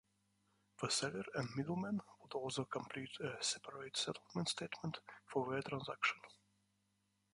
The seller and middleman would also complete a separate settlement statement for their transaction.